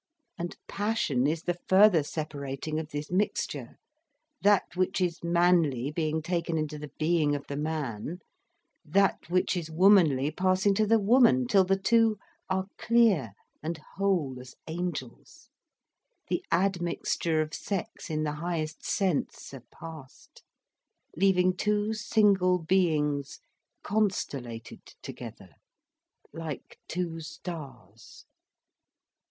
And passion is the further separating of this mixture, that which is manly being taken into the being of the man, that which is womanly passing to the woman, till the two are clear and whole as angels, the admixture of sex in the highest sense surpassed, leaving two single beings constellated together like two stars.